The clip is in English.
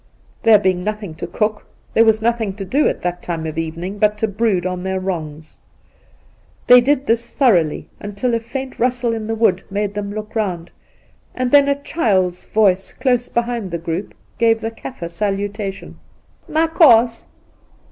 There being nothing to cook, there was nothing to do at that time of evening but to brood on their wrongs. They did this thoroughly until a faint rustle in the wood made them look round, and then a child's voice close behind the group gave the Kaffir salutation ' Makos !'